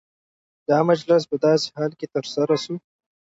دا مجلس په داسي حال کي ترسره سو،